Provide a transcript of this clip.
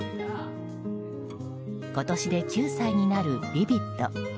今年で９歳になるヴィヴィッド。